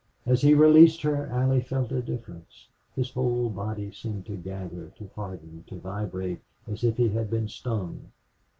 As he released her Allie felt a difference. His whole body seemed to gather, to harden, then vibrate, as if he had been stung.